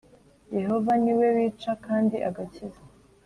Yehova niwe wica kandi agakiza